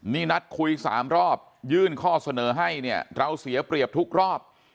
นี่นัดคุย๓รอบยื่นข้อเสนอให้เนี่ยเราเสียเปรียบทุกรอบ